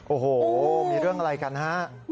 โอ้โหมีเรื่องอะไรกันฮะ